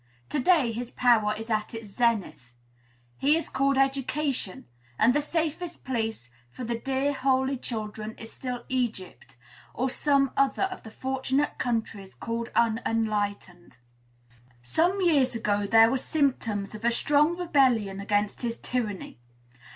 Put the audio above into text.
To day his power is at its zenith. He is called Education; and the safest place for the dear, holy children is still Egypt, or some other of the fortunate countries called unenlightened. Some years ago there were symptoms of a strong rebellion against his tyranny.